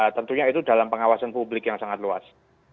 tentunya itu dalam pengawasan publik yang sangat luas